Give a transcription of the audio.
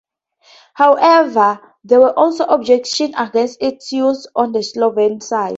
However, there were also objections against its use on the Slovene side.